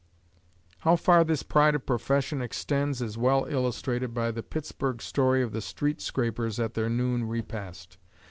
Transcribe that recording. How far this "pride of profession" extends is well illustrated by the Pittsburgh story of the street scrapers at their noon repast.